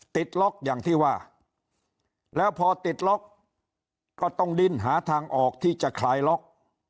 ติดล็อกอย่างที่ว่าแล้วพอติดล็อกก็ต้องดิ้นหาทางออกที่จะคลายล็อก